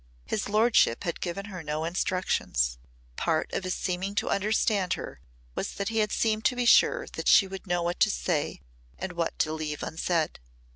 His lordship had given her no instructions. Part of his seeming to understand her was that he had seemed to be sure that she would know what to say and what to leave unsaid.